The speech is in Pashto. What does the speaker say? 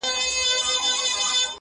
بیرته یوسه خپل راوړي سوغاتونه.!